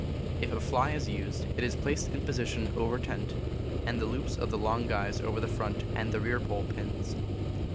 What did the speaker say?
If a fly is used, it is placed in position over tent, and the loops of the long guys over the front and rear pole pins.